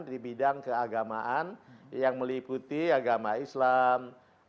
di bidang keagamaan yang meliputi agama islam